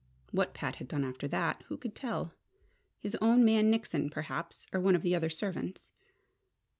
What Pat had done after that, who could tell? His own man Nickson, perhaps, or one of the other servants.